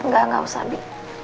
gak gak usah bi